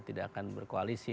tidak akan berkoalisi